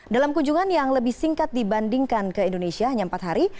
dalam kunjungan yang lebih singkat dibandingkan ke indonesia hanya empat hari